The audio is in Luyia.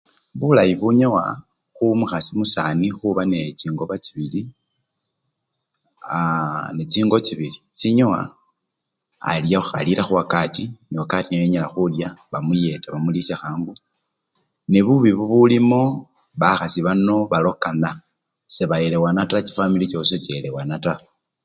Bulayi bunyowa khumukha! omusani khuba nee! chingoba chibili aaa! nechingo chibili, sinyowa alyo! alila khuwakati, niwakati nio-enyila khulya bamuyeta bamulisya khangu ndbubi bubulimo bakhasi bano balokana sebawelewana taa chifwamil chosi sechiwelewana taa.